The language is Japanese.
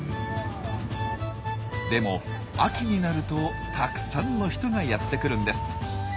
でも秋になるとたくさんの人がやって来るんです。